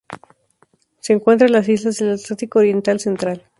Se encuentra en las islas del Atlántico oriental central.